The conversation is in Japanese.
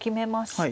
はい。